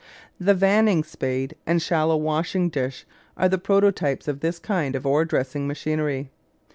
The vanning spade and shallow washing dish are the prototypes of this kind of ore dressing machinery.